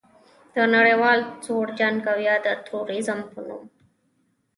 د نړیوال سوړ جنګ او یا د تروریزم په نوم